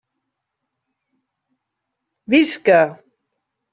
Visca!